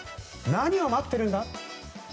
「何を待ってるんだ？」